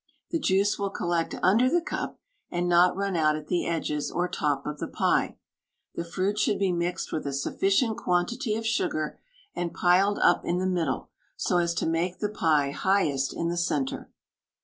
The juice will collect under the cup, and not run out at the edges or top of the pie. The fruit should be mixed with a sufficient quantity of sugar, and piled up in the middle, so as to make the pie highest in the centre.